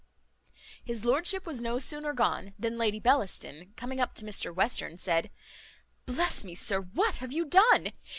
His lordship was no sooner gone, than Lady Bellaston, coming up to Mr Western, said, "Bless me, sir, what have you done?